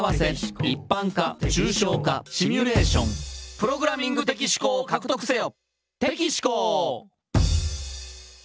「プログラミング的思考を獲得せよ」